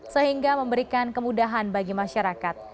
sehingga memberikan kemudahan bagi masyarakat